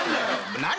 何？